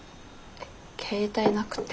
携帯なくて。